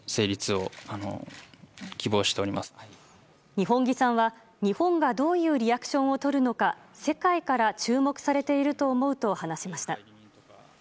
二本樹さんは、日本がどういうリアクションをとるのか世界から注目されていると思うと話しました。